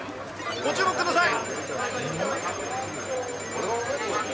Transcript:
ご注目ください。